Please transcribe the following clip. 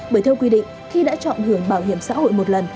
bởi theo quy định khi đã chọn hưởng bảo hiểm xã hội một lần